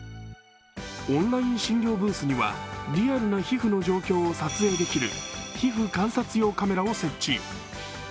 オンライン診療ブースにはリアルの皮膚の状況を撮影できる皮膚観察用カメラを設置。